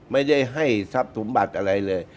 ไม่ได้ให้ทรัพย์สมบัติอะไรเลย